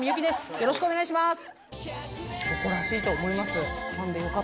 よろしくお願いします。